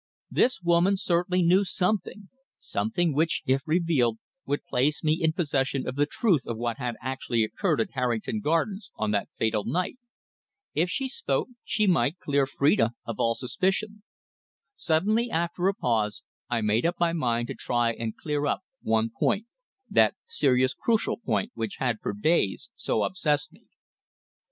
This woman certainly knew something something which, if revealed, would place me in possession of the truth of what had actually occurred at Harrington Gardens on that fatal night. If she spoke she might clear Phrida of all suspicion. Suddenly, after a pause, I made up my mind to try and clear up one point that serious, crucial point which had for days so obsessed me.